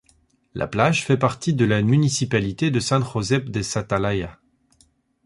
La plage fait partie de la municipalité de Sant Josep de sa Talaia.